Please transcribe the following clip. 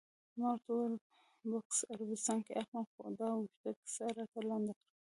ما ورته وویل: بکس عربستان کې اخلم، خو دا اوږده کیسه راته لنډه کړه.